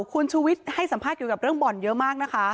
คุณชูวิทย์ให้สัมภาษณ์เกี่ยวกับเรื่องบ่อนเยอะมากนะคะ